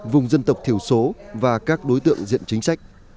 vùng dân tộc thiểu số và các đối tượng diện chính sách